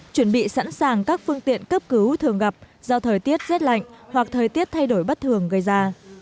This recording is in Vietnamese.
chuẩn bị sẵn sàng các phương tiện cấp cứu thường gặp do thời tiết rét lạnh hoặc thời tiết thay đổi bất thường gây ra